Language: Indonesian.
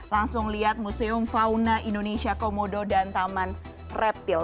langsung lihat museum fauna indonesia komodo dan taman reptil